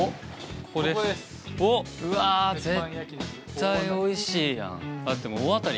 うわー、絶対おいしいやん。